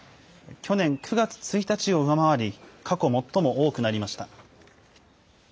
去年９月１日を上回り、過去最も多くなりました。